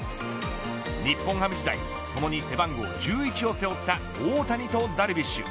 日本ハム時代、ともに背番号１１を背負った大谷とダルビッシュ。